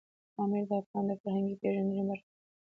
پامیر د افغانانو د فرهنګي پیژندنې برخه ده.